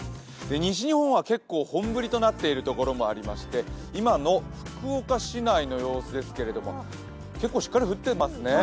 西日本は結構、本降りとなっているところもありまして今の福岡市内の様子ですけども結構しっかり降っていますね。